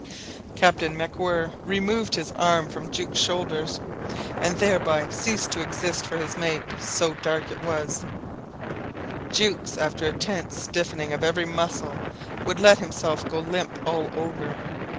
Captain MacWhirr removed his arm from Jukes' shoulders, and thereby ceased to exist for his mate, so dark it was; Jukes, after a tense stiffening of every muscle, would let himself go limp all over.